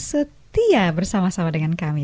setia bersama sama dengan kami